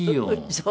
そう。